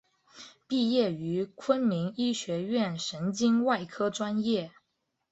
毕业于昆明医学院神经外科专业。